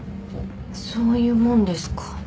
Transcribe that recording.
そういうもんですか。